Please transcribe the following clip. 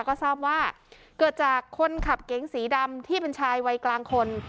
ก็ทราบว่าเกิดจากคนขับเก๋งสีดำที่เป็นชายวัยกลางคน